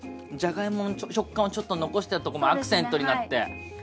じゃがいもの食感をちょっと残してるとこもアクセントになって。